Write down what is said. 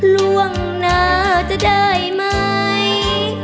ล่วงหน้าจะได้ไหม